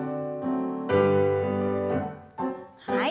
はい。